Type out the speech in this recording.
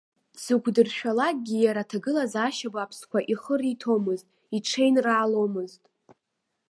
Дзықәдыршәалакгьы иара аҭагылазаашьа бааԥсқәа ихы риҭомызт, иҽеинрааломызт.